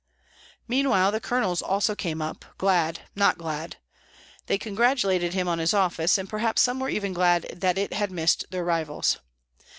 Meanwhile the colonels also came up, glad, not glad; they congratulated him on his office, and perhaps some were even glad that it had missed their rivals.